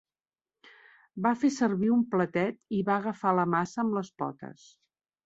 Va fer servir un platet i va agafar la massa amb les potes.